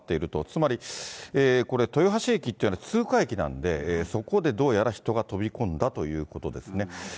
つまり、これ、豊橋駅というのは通過駅なんで、そこでどうやら人が飛び込んだということですね。